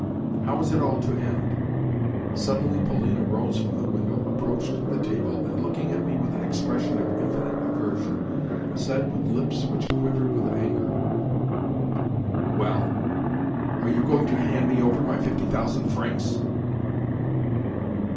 How is it all to end? Suddenly Polina rose from the window, approached the table, and, looking at me with an expression of infinite aversion, said with lips which quivered with anger: "Well? Are you going to hand me over my fifty thousand francs?"